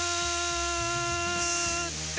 って